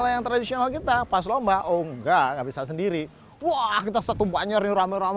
yang tradisional kita pas lomba oh nggak bisa sendiri wah kita satu banyak rame rame